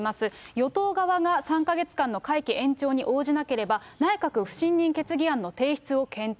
与党側が３か月間の会期延長に応じなければ、内閣不信任決議案の提出を検討。